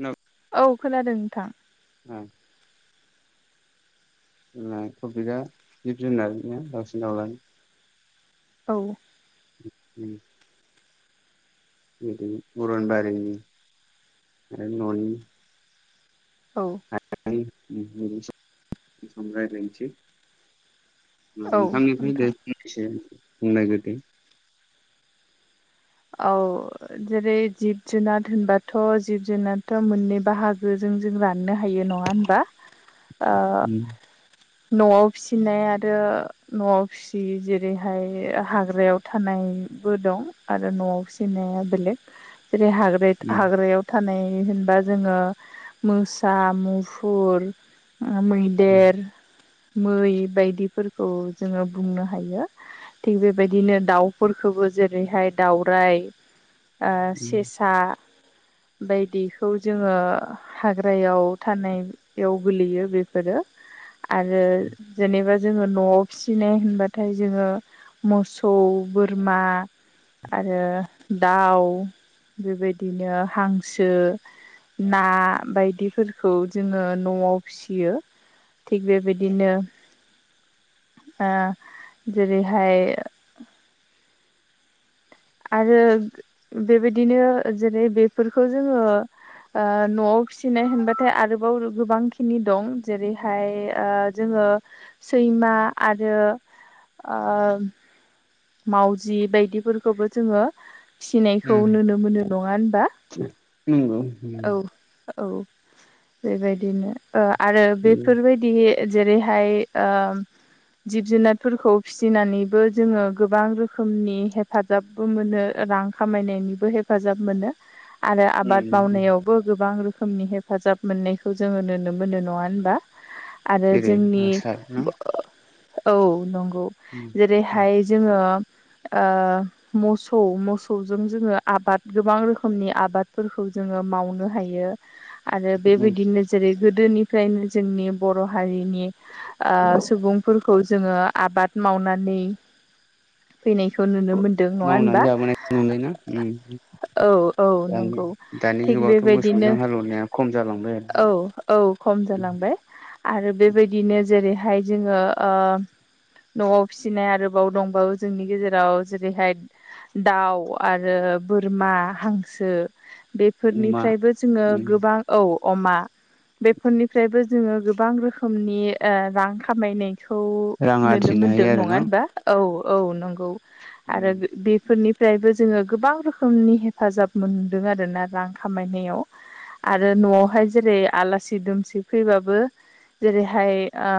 नों औ खोनादों नोंथां ओं जोंना थफिकया जिब जुनारनि ना दावसिन-दावलानि औ ओम बिदि अरन बारिनि आरो न'नि औ [unintelligible] औ नोंथांनिफ्राय नोंथां दायो फंनैसो बुंनाय ग्रोदो औ जेरै जिब जुनार होनबाथ' जिब जुनाराथ' मोननै बाहागो जों राननो हायो नङा होनबा ओ उम न'आव फिसिनाय आरो न'आव फिसियै जेरैहाय हाग्रायाव थानाय बो दं आरो न'याव फिसिनाया बेलेग जेरै हाग उम हाग्रायाव थानाय होनबा जोङो मोसा मुफुर ओ मैदेर मै बायदिफोरखौ जोङो बुंनो हायो थिग बेबायदिनो दाउफोरखौबो जेरैहाय दाउराइ ओ सेसा बायदिखौ जोङो हाग्रायाव थानायाव गोलैयो बेफोरो। आरो जेनेबा जोङो न'आव फिसिनाय होनबाथाय जोङो मोसौ बोरमा आरो दाउ बेबायदिनो हांसो ना बायदिफोरखौ जोङो न'आव फिसियो। थिग बेबायदिनो आ जेरैहाय आरो बेबायदिनो जेरै बेफोरखौ जोङो ओ न'आव फिसिनाय होनबाथाय आरोबाव गोबां खिनि दं जेरैहाय ओ जोङो ओ सैमा आरो ओ मावजि बायदिफोरखौबो जोङो फिसिनायखौ नुनो मोनो नङा होनबा उम नंगौ औ औ बेबायदिनो ओ आरो बेफोरबायदि जेरैहाय ओ जिब जुनारफोरखौ फिसिनानैबो जोङो गोबां रोखोमनि हेफाजाबबो मोनो रां खामायनायनिबो हेफाजाब मोनो। आरो आबाद मावनायावबो गोबां रोखोमनि हेफाजाब मोननायखौ जोङो नुनो मोनो नङा होनबा? आरो जेरै जोंनि आसार ना औ नंगौ जेरैहाय जोङो ओ मसौ मसौजों जोङो आबाद गोबां रोखोमनि आबादफोरखौ जोङो मावनो हायो। आरो बेबायदिनो जेरै गोदोनिफ्रायनो जोंनि बर' हारिनि आ सुबुंफोरखौ जोङो आबाद मावनानै फैनायखौ नुनो मोन्दों नङा होनबा? [unintelligible] उम। औ औ नंगौ थिग बेबायदिनो मोसौजों हालेवनाया खम जालांबाय आरो औ औ खम जालांबाय आरो बेबायदिनो जेरै हाय जोङो ओ न'आव फिसिनाय आरो बाव दंबावो जोंनि गेजेराव जेरैहाय दाउ आरो बोरमा हांसो अमा बेफोरनिफ्रायबो जोङो उम गोबां औ अमा बेफोरनिफ्रायबो जोङो गोबां रोखोमनि ओ रां खामायनाय खौ रां नुनो आरजिनो हायो मोनदों नङा आरो ना होनबा औ औ नंगौ आरो बि बेफोरनि फ्रायबो जोङो गोबां रोखोमनि हेफाजाब मोनदों आरोना रां खामायनायाव। आरो न'आवहाय जेरै आलासि दुमसि फैबाबो जेरैहाय ओ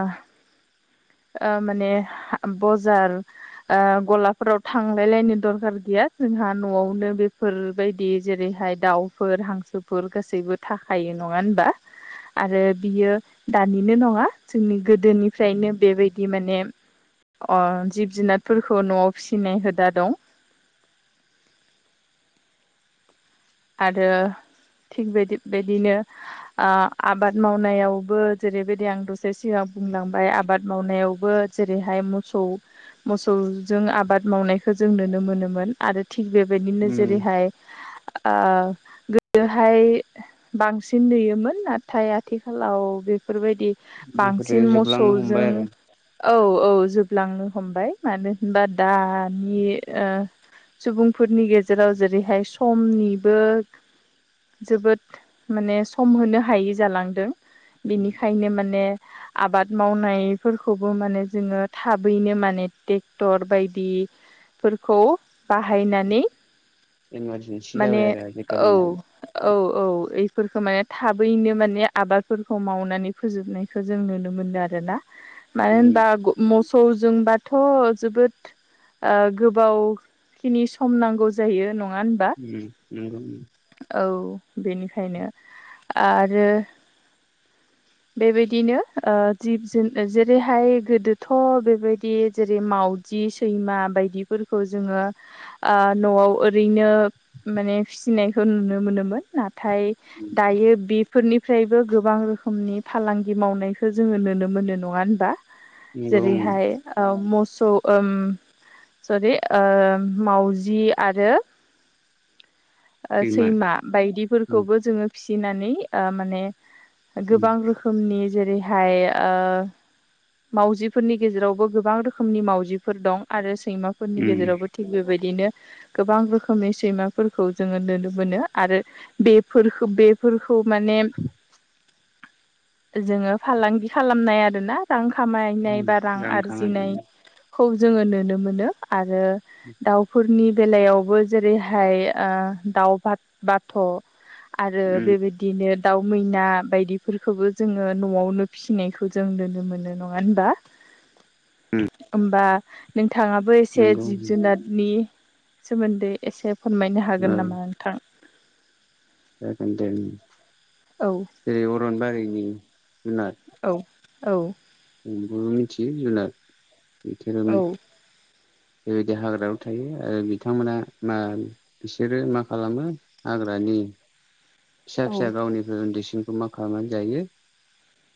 ओ माने बजार ओ गलाफोराव थांलाय लायनो दरखार गैया जोंहा न'आवनो बेफोर बायदि जेरैहाय दाउफोर हांसोफोर गासैबो थाखायो नङा होनबा? आरो बियो दानिनो नङा जोंनि गोदोनिफ्रायनो बेबायदि माने अ जिब जुनादफोरखौ न'आव फिसिनाय हुदा दं। आरो थिग बेदि बिदिनो ओ आबाद मावनायावबो जेरैबायदि आं दसे सिगाव बुंलांबाय आबाद मावनायावबो जेरैहाय मसौ मसौजों आबाद मावनायखो जों नुनो मोनोमोन आरो थिग बेबायदिनो जेरैहाय आ गोदोहाय बांसिन नुयोमोन नाथाय आथिखालाव बेफोर बायदि बेफोरो बांसिन जोबलांनो हमबाय मस'जों आरो औ औ जोब लांनो हमबाय मानो होनबा दानि ओ सुबुंफोरनि गेजेराव जेरैहाय समनि बो जोबोद माने सम होनो हायि जालांदों। बिनिखायनो माने आबाद मावनायफोरखौबो माने जोङो थाबैनो माने टेक्टर बायदि फोरखौ बाहायनानि इमारजेन्सि माने जाबाय आरो औ आजिखालि औ औ ओइ फोरखो माने थाबैनो माने आबादफोरखौ मावनानै फोजोबनायखो जों नुनो मोनो आरोना। मानो उम होनबा ग मस'जोंबाथ' जोबोद ओ गोबावखिनि सम नांगौ जायो। नङा होनबा? उम नोंगौ नों औ बेनिखायनो आरो बेबायदिनो ओ जिब जुन जेरैहाय गोदोथ' बेबायदि जेरै माव जि सैमा बायदिफोरखौ जोङो आ न'आव ओरैनो माने फिसिनायखौ नुनो मोनोमोन नाथाय दायो बि फोरनिफ्रायबो गोबां रोखोमनि फालांगि मावनायखो जोङो नोनो मोनो। नङा होनबा? नंगौ उम जेरैहाय ओ मस स ओम सरि ओम मावजि आरो ओ सैमा उम बायदिफोरखौबो जोङो फिसिनानै ओ माने उम गोबां रोखोमनि जेरैहाय ओ मावजिफोरनि गेजेरावबो गोबां रोखोमनि मावजिफोर दं आरो सै सैमाफोरनि उम गेजेरावबो थिग बेबायदिनो गोबां रोखोमनि सैमाफोर खौ जोङो नोनो मोनो आरो बेफोरखो-बेफोरखौ माने जोङो फालांगि खालामनाय आरोना रां खामायनाय उम बा रां खामायनो आरजिनायखौ जोङो नोनो मोनो। आरो दाउफोरनि बेलायावबो जेरैहाय ओ दाउ बाथ-बाथ' आरो बेबिदिनो दाउ मैना बायदि फोरखोबो जोङो न'वावनो फिसिनायखौ जों नोनो मोनो। नङा होनबा? ओमबा नोंथाङाबो एसे नंगौ जिब जुनादनि सोमोन्दै एसे फोरमायनो औ हागोन नामा नोंथां? जागोन दे उम। औ जेरै अरन बारिनि जुनार। औ औ। जों बयबो मिनथियो जुनार औ [unintelligible] बेबायदि हाग्रायाव थायो आरो बिथांमोना मा बिसोरो मा खालामो हाग्रान उम फिसा फिसा औ गावनिफ्राय उन्दैसिनि खौ मा खालामनानै जायो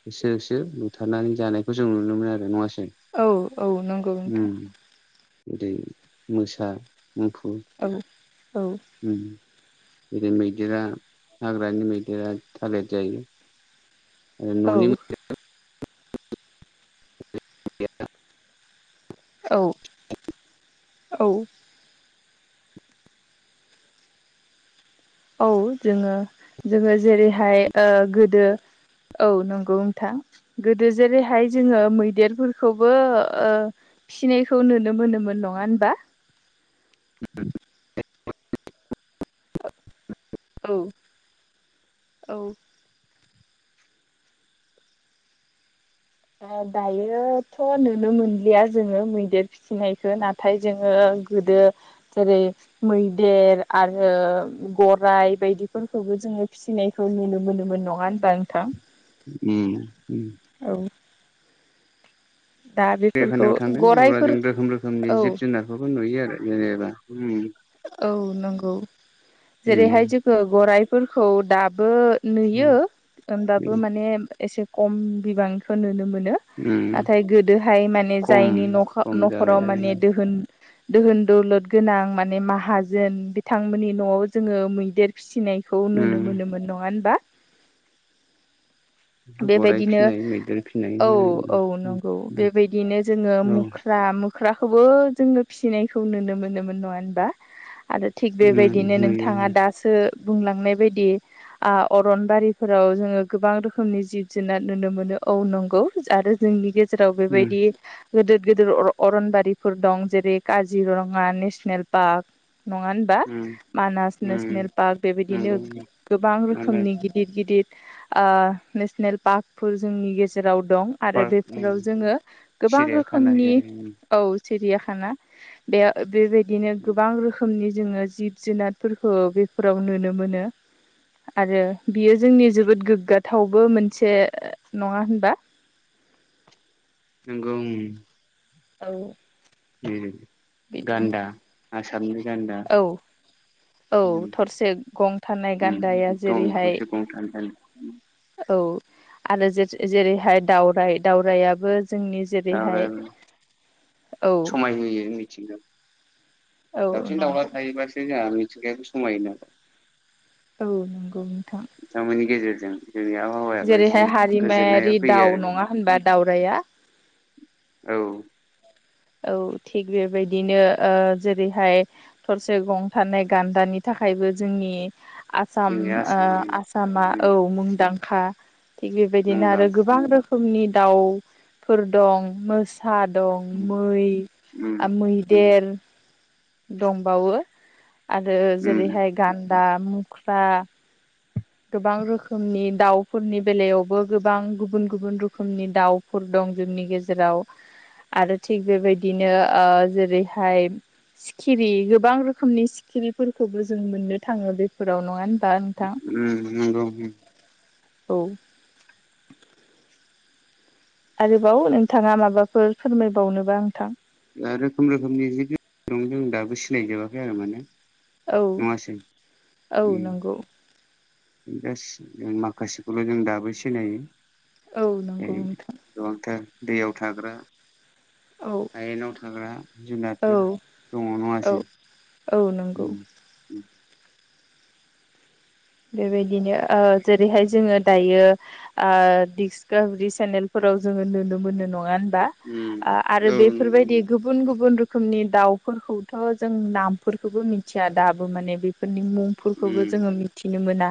होसो होसो बुथारनानै जानायखौ जों नुनो मोनो आरो। नङास औ औ नोंगौ नोंथां। दै मोसा मुफुर औ औ उम जेरै मैदेरा हाग्रानि मैदेरा थालेद जायो ओ औ न'नि [unintelligible] औ औ। औ जोङो जोङो जेरैहाय ओ गोदो औ नंगौ नोंथां। गोदो जेरैहाय जोङो मैदेरफोरखौबो ओ फिसिनायखौ नुनो मोनोमोन। नङा होनबा? औ औ। दा दायोथ' नुनो मोनलिया जोङो मैदेर फिसिनायखो। नाथाय जोङो गोदो जेरै मैदेर आरो गराइ बायदिफोरखौबो जोङो फिसिनायखौ नुनो मोनोमोन। नङा होनबा नोंथां? उम उम औ दा बेफोरखौ [unintelligible] थांगोन जेब्ला जों गराइफोर रोखोम रोखोमनि औ जिब जुनारखौबो नुयो आरो जेनेबा उम। औ नोंगौ। जेरैहाय उम जोङो गराइफोरखौ दाबो नुयो उम होनबाबो माने एसे खम बिबांनिखो नुनो मोनो उम नाथाय गोदोहाय माने खम जायनि न'खा खम जाबाय न'खराव आरो माने दोहोन दोहोन दौलद गोनां माने माहाजोन बिथांमोननि न'वाव जोङो मैदेर फिसि सिनायखौ नुनो उम मोनोमोन। नङा होनबा? गराइ बेबायदिनो फिनाय मैदेर फिनाय औ औ उम नंगौ उम बेबायदिनो जोङो औ मुख्रा मु ख्राखौबो जोंनो फिसिनायखौ नुनो मोनोमोन। नङा होनबा? आरो थिग उम बेबायदिनो नुयो नोंथाङा दासो बुंलांनाय बायदि आ अरनबारिफोराव जोङो गोबां रोखोमनि जिब जुनार नुनो मोनो। औ नंगौ आरो जोंनि गेज जेराव उम बेबायदि गोदोद गोदोर अर-अरनबारिफोर दं जेरै काजिरङा नेसनेल पाक नङा होनबा? उम मानास उम नेसनेल पार्क बेबायदिनो नंगौ गोबां रोखोमनि मानास गिदिद गिदिद ओ नेसनेल पाकफोर जोंनि गेजेराव दं आरो पार्क उम बेफोराव जोङो गोबां सिरियाखाना रोखोमनि जेरै उम औ सिरियाखाना बे बेबायदिनो उम गोबां रोखोमनि जोङो जिब जुनारफोरखौ बेफोराव नुनो मोनो। आरो बियो जोंनि जोबोद गोग्गाथावबो मोनसे। नङा होनबा? [inaudible] नोंगौ ओं। औ उम बिदिनो गान्दा आसामनि गान्दा औ औ उम थरसे गं थानाय उम गान्दाया दं जेरैहाय थसे गं थानानै औ आरो जेथ जेरैहाय दावराइ दावराइयाबो जोंनि जेरैहाय ओमफ्राय औ। समायहोयो मिथिंगा औ दाउसिन दाउला थायोबासो जोंहा मिथिंगायाबो समायो ना। औ नंगौ नोंथां। बिथांमोननि गेजेरजों जोंनि आबहावायाबो एसे जेरैहाय गोजोननाया हारिमायारि फैयो दाउ नङा होनबा दावरायआ? औ औ थिग बेबायदिनो ओ जेरैहाय थरसे गं थानाय गान्दानि था थाखायबो जोंनि आसाम जोंनि ओ आसामानो आसामा उम औ मुंदांखा। थिग बेबायदिनो आरो मुंदांखा गोबां रोखोमनि दाउ फोर दं मोसा द उम मै आ उम मैदेर दंबावो आरो जेरैहाय गान्दा मुख्रा गोबां रोखोमनि दाउफोरनि बेलायावबो गोबां गुबुन गुबुन रोखोमनि दाउफोर द दं जोंनि गेजेराव आरो थिग बेबायदिनो ओ जेरैहाय सिखिरि गोबां रोखोमनि सिखिरिफोरखौबो जों मोननो थाङो बेफोराव। नङा होनबा नोंथां? उम नोंगौ उम। औ आरोबाव नोंथाङा माबाफोर फोरमाय बावनोबा नोंथां। ओ रोखोम रोखोमनि [unintelligible] दं जों दाबो सिनाय जोबाखै आरो माने। औ नङासै औ उम नंगौ जास ओ माखासेखौल' जों दाबो सिनायो। औ ओ नंगौ नोंथां गोबांथार दैयाव थाग्रा, औ हायेनाव थाग्रा जुनादफोर औ दङ नङासै औ औ उम नंगौ उम बेबायदिनो ओ जेरैहाय जोङो दायो ओ दिक्सकभिरि सेनेलफोराव जोङो नुनो मोनो नङा होन बा उम आरो औ बेफोरबायदि नंगौ गुबन गुबन रो रोखोमनि दाउफोरखौथ' जों नामफोरखौबो मिथिया दाबो माने बे फोरनि मुंफोरखौबो उम जोङो मिथिनो मोना